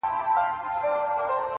پاچا مړ وو دوى وه خلك رابللي.!